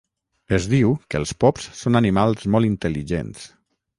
Es diu que els pops són animals molt intel·ligents.